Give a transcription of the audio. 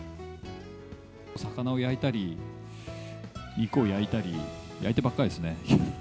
魚を焼いたり、肉を焼いたり、焼いてばっかりですね。